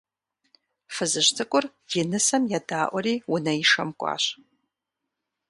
Фызыжь цӀыкӀур и нысэм едаӀуэри унэишэм кӀуащ.